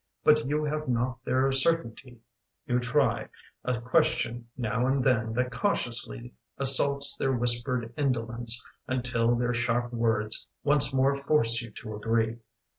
But you have not their certainty: you try A question now and then that cautiously Assaults their whispered indolence until Their sharp words once more force you to agree.